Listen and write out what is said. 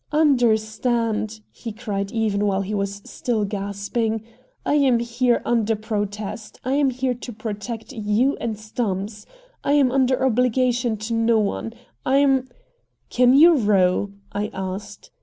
"Understand!" he cried even while he was still gasping, "I am here under protest. I am here to protect you and Stumps. I am under obligation to no one. I'm " "Can you row?" I asked.